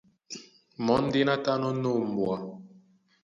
Mɔ́ ndé ná tánɔ̄ ná ombwa.